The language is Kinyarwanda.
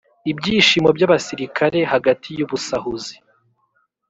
ibyishimo by'abasirikare hagati yubusahuzi;